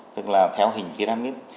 tức là theo hình pyramid